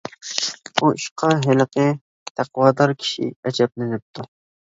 بۇ ئىشقا ھېلىقى تەقۋادار كىشى ئەجەبلىنىپتۇ.